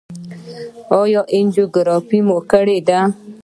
ایا انجیوګرافي مو کړې ده؟